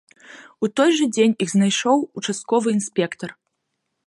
У той жа дзень іх знайшоў участковы інспектар.